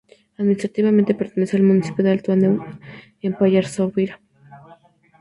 Administrativamente pertenece al municipio de Alto Aneu, en el Pallars Sobirá.